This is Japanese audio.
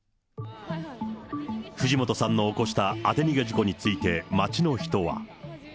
藤本さんの起こした当て逃げ事故について、街の人は。